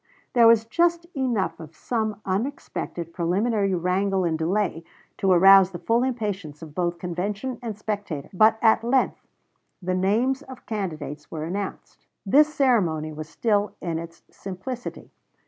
There was just enough of some unexpected preliminary wrangle and delay to arouse the full impatience of both convention and spectators; but at length the names of candidates were announced. This ceremony was still in its simplicity.